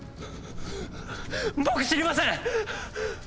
僕知りません！